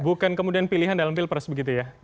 bukan kemudian pilihan dalam pilpres begitu ya